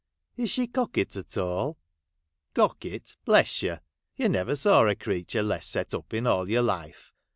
' Is she cocket at all ?'' Cocket, bless you ! you never saw a crea ture less set up in all your life.